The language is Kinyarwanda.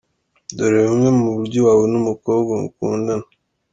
Dore bumwe mu buryo wabona umukobwa mukundana:.